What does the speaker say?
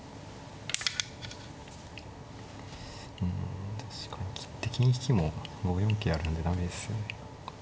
うん確かに切って銀引きも５四桂あるんで駄目ですよね。